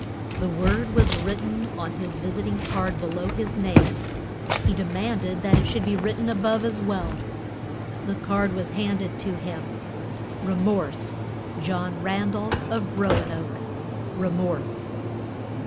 The word was written on his visiting card below his name; he demanded that it should be written above as well. The card was handed to him. "Remorse, John Randolph of Roanoke, Remorse."